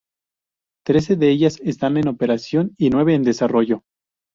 Trece de ellas están en operación y nueve en desarrollo.